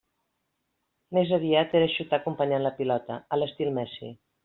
Més aviat era xutar acompanyant la pilota, a l'estil Messi.